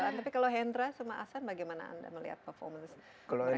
tapi kalau hendra sama asan bagaimana anda melihat performance mereka kali ini